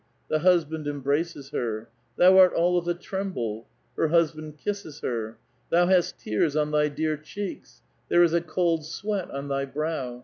The hus band embraces her. " Thou art all of a tremble !" Her husband kisses her. " Thou hast tears on thy dear cheeks ! There is a cold sweat on thy brow